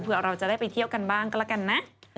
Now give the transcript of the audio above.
เพื่อเราจะได้ไปเที่ยวกันบ้างก็แล้วกันนะ